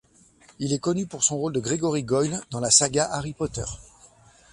Il est connu pour son rôle de Gregory Goyle dans la saga Harry Potter.